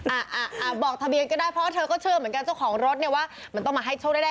อ่าอ่าบอกทะเบียนก็ได้เพราะเธอก็เชื่อเหมือนกันเจ้าของรถเนี่ยว่ามันต้องมาให้โชคได้ได้